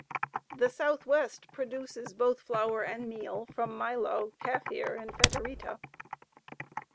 The Southwest produces both flour and meal from milo, kaffir, and feterita.